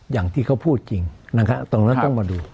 อย่างที่เขาพูดจริงนะครับตรงนั้นต้องมาดู